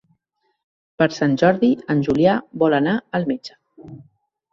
Per Sant Jordi en Julià vol anar al metge.